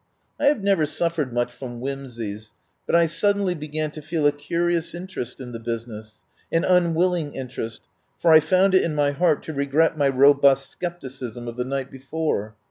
I have never suffered much from whimsies, but I suddenly began to feel a curious interest in the business, an unwill ing interest, for I found it in my heart to re gret my robust scepticism of the night before.